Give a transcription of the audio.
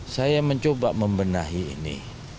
saya mencoba membenahi ini